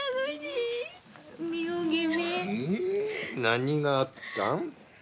何があったん？